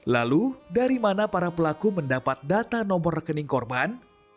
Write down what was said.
lalu dari mana para pelaku mendapat data nomor rekening korban